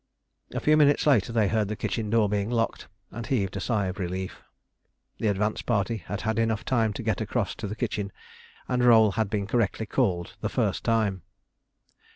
A few minutes later they heard the kitchen door being locked, and heaved a sigh of relief. The advance party had had enough time to get across to the kitchen, and roll had been correctly called the first time.